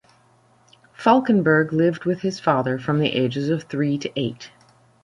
Falkinburg lived with his father from the ages of three to eight.